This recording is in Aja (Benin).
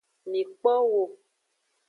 Mi kpo wo.